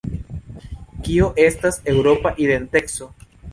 Kio estas Eŭropa identeco?